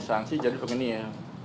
mengenai sanksi jadi begini ya